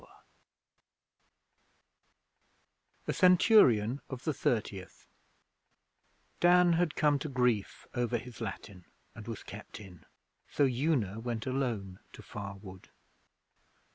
A Centurion of the Thirtieth Dan had come to grief over his Latin, and was kept in; so Una went alone to Far Wood.